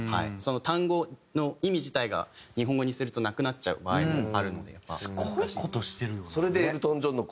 単語の意味自体が日本語にするとなくなっちゃう場合もあるのでやっぱ難しい。